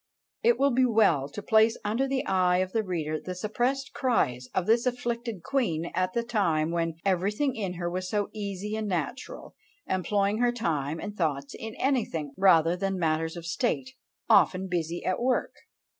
It will be well to place under the eye of the reader the suppressed cries of this afflicted queen at the time when "everything in her was so easy and natural, employing her time and thoughts in anything rather than matters of state often busy at work!"